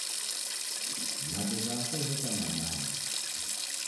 Madu ghako gheka mabaha